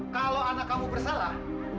kalau anak kamu bersalah